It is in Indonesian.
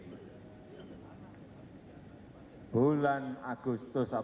nah sekarang ini perlu dikira tahu dulu